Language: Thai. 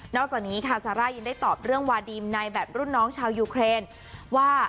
จากนี้ค่ะซาร่ายังได้ตอบเรื่องวาดีมในแบบรุ่นน้องชาวยูเครนว่า